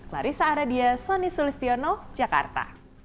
larissa aradia sonny sulistiono jakarta